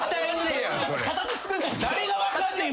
誰が分かんねん